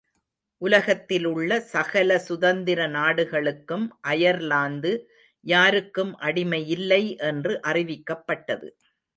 உலகத்திலுள்ள சகல சுதந்திர நாடுகளுக்கும் அயர்லாந்து யாருக்கும் அடிமையில்லை என்று அறிவிக்கப்பட்டது.